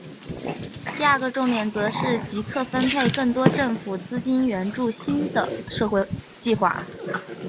第二个重点则是即刻分配更多政府资金援助新的社会计画。